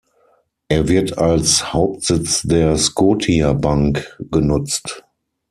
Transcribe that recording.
Er wird als Hauptsitz der Scotiabank genutzt.